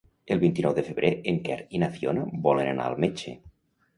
El vint-i-nou de febrer en Quer i na Fiona volen anar al metge.